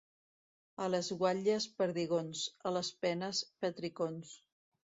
A les guatlles, perdigons; a les penes, petricons.